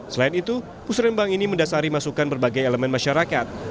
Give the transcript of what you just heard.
selain itu pusrembang ini mendasari masukan berbagai elemen masyarakat